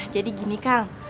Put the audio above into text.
jadi gini kang